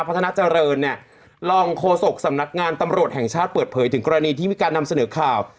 พัฒนาเจริญเนี่ยรองโฆษกสำนักงานตำรวจแห่งชาติเปิดเผยถึงกรณีที่มีการนำเสนอข่าว